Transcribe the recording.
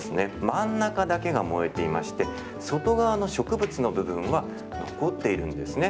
真ん中だけが燃えていまして外側の植物の部分は残っているんですね。